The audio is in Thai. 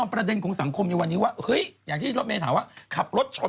มีคุณทรอยงานที่จะใช้โตก่อน